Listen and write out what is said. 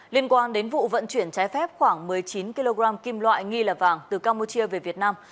liên quan đến vụ vận chuyển trái phép khoảng một mươi chín kg kim loại nghi là vàng từ campuchia về việt nam